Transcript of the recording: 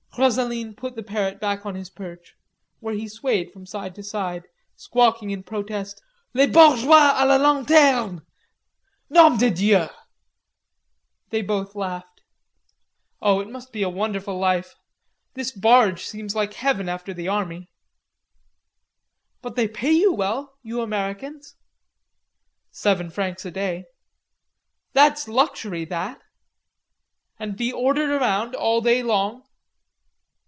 Rosaline put the parrot back on his perch, where he swayed from side to side, squawking in protest: "Les bourgeois a la lanterne, nom de dieu!" They both laughed. "Oh, it must be a wonderful life. This barge seems like heaven after the army." "But they pay you well, you Americans." "Seven francs a day." "That's luxury, that." "And be ordered around all day long!"